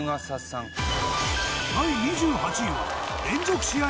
第２８位は連続試合